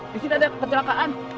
di sini ada kecelakaan